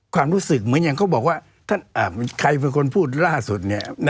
ความรู้สึกเหมือนอย่างเขาบอกว่าใครเป็นคนพูดล่าสุด